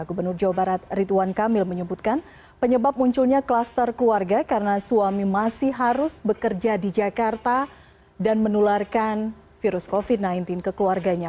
gubernur jawa barat rituan kamil menyebutkan penyebab munculnya kluster keluarga karena suami masih harus bekerja di jakarta dan menularkan virus covid sembilan belas ke keluarganya